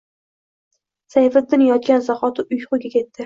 Sayfiddin yotgan zahoti uyquga ketdi